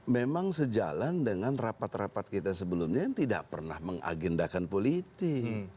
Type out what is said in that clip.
memang sejalan dengan rapat rapat kita sebelumnya yang tidak pernah mengagendakan politik